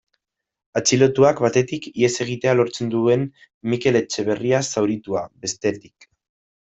Atxilotuak, batetik, ihes egitea lortzen duen Mikel Etxeberria zauritua, bestetik.